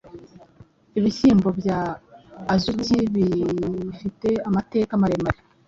Ibihyimbo bya Azuki bifite amateka maremare